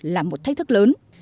là một thách thức lớn